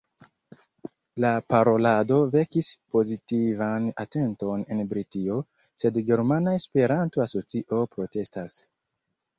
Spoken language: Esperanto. La parolado vekis pozitivan atenton en Britio, sed Germana Esperanto-Asocio protestas.